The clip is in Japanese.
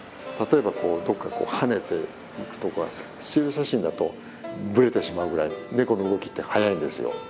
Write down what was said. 例えばこうどっか跳ねていくとかスチール写真だとぶれてしまうぐらいネコの動きって速いんですよ。